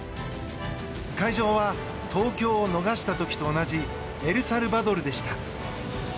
会場は、東京を逃した時と同じエルサルバドルでした。